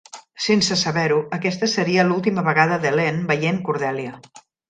Sense saber-ho, aquesta seria l'última vegada d'Elaine veient Cordelia.